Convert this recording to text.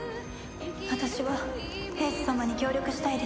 私は英寿様に協力したいです。